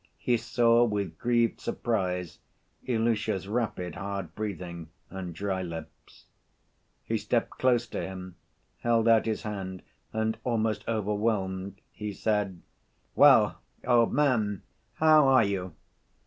He saw, with grieved surprise, Ilusha's rapid, hard breathing and dry lips. He stepped close to him, held out his hand, and almost overwhelmed, he said: "Well, old man ... how are you?"